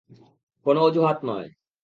কোন অযুহাত নয়!